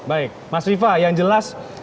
baik mas riva yang jelas